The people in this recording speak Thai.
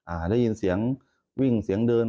ได้ยินเสียงวิ่งเสียงเดิน